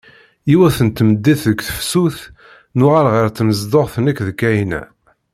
Yiwet n tmeddit deg tefsut, nuɣal ɣer tnezduɣt nekk d Kahina.